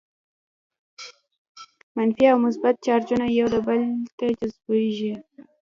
منفي او مثبت چارجونه یو بل ته جذبیږي.